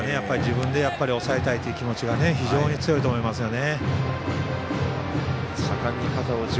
自分で抑えたいという気持ちが非常に強いと思います。